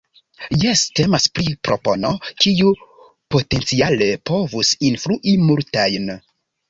Jes, temas pri propono, kiu potenciale povus influi multajn.